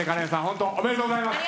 ホントおめでとうございます。